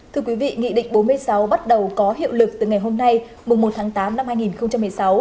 thưa quý vị nghị định bốn mươi sáu bắt đầu có hiệu lực từ ngày hôm nay mùng một tháng tám năm hai nghìn một mươi sáu